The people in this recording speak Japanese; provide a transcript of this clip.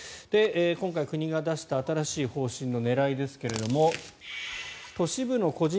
今回、国が出した新しい方針の狙いですが都市部の個人